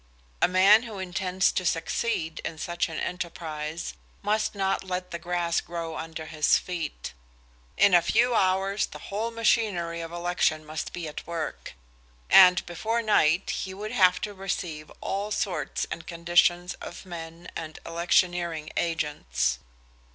A man who intends to succeed in such an enterprise must not let the grass grow under his feet. In a few hours the whole machinery of election must be at work, and before night he would have to receive all sorts and conditions of men and electioneering agents.